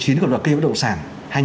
chính của loại cây bất động sản